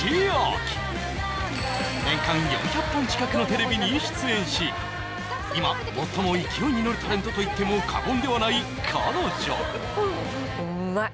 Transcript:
年間４００本近くのテレビに出演し今最も勢いに乗るタレントといっても過言ではない彼女うまい！